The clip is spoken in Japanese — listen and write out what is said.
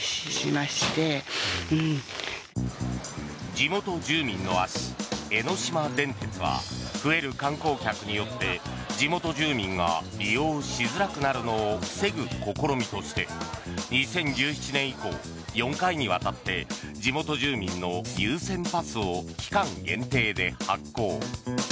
地元住民の足、江ノ島電鉄は増える観光客によって地元住民が利用しづらくなるのを防ぐ試みとして２０１７年以降、４回にわたって地元住民の優先パスを期間限定で発行。